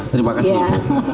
terima kasih ibu